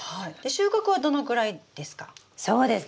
収穫はどのくらいですか？